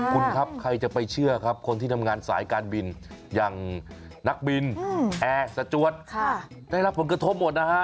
คุณครับใครจะไปเชื่อครับคนที่ทำงานสายการบินอย่างนักบินแอร์สจวดได้รับผลกระทบหมดนะฮะ